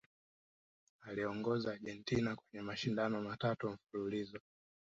aliiongoza Argentina kwenye mashindano matatu mfululizo